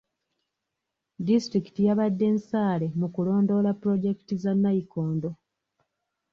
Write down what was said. Disitulikiti yabadde nsaale mu kulondoola pulojekiti za nnayikondo.